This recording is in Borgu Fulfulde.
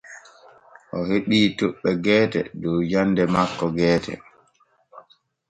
O heɓii toɓɓe geete dow jande makko geete.